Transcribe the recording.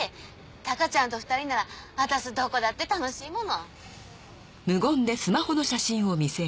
タカちゃんと２人なら私どこだって楽しいもの。